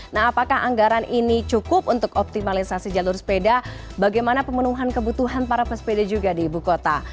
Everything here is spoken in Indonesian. nah apakah anggaran ini cukup untuk optimalisasi jalur sepeda bagaimana pemenuhan kebutuhan para pesepeda juga di ibu kota